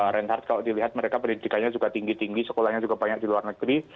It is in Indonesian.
reinhardt kalau dilihat mereka pendidikannya juga tinggi tinggi sekolahnya juga banyak di luar negeri